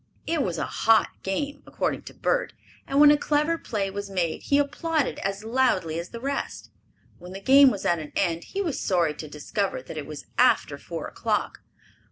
It was a "hot" game, according to Bert, and when a clever play was made he applauded as loudly as the rest. When the game was at an end he was sorry to discover that it was after four o'clock.